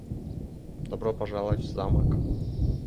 Добро пожаловать в Замок.